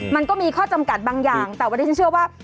มันก็มีข้อจำกัดบางอย่างแต่วันนี้ฉันเชื่อว่า